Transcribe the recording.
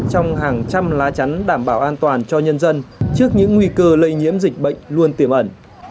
trong hàng trăm lá chắn đảm bảo an toàn cho nhân dân trước những nguy cơ lây nhiễm dịch bệnh luôn tiềm ẩn